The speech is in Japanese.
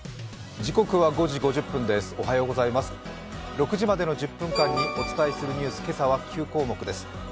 ６時までの１０分間にお伝えするニュース、今朝は９項目です。